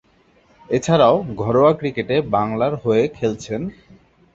এছাড়াও, ঘরোয়া ক্রিকেটে বাংলার হয়ে খেলছেন।